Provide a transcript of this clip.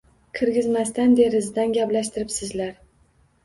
Kirgizmasdan derazadan gaplashtiribsizlar